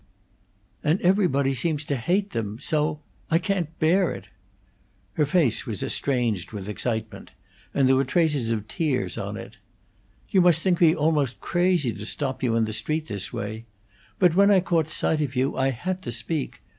And everybody seems to hate them so I can't bear it." Her face was estranged with excitement, and there were traces of tears on it. "You must think me almost crazy to stop you in the street this way; but when I caught sight of you I had to speak.